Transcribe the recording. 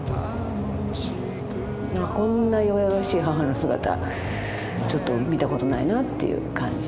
こんな弱々しい母の姿ちょっと見たことないなっていう感じ。